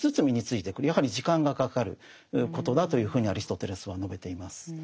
やはり時間がかかることだというふうにアリストテレスは述べています。